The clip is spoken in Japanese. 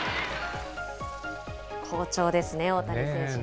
好調ですね、大谷選手ね。